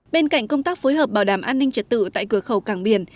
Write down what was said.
bên cạnh công tác phối hợp bảo đảm an ninh trật tự tại cửa khẩu cảng biển